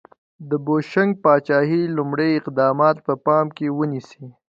د بوشنګ پاچاهۍ لومړي اقدامات په پام کې ونیسئ.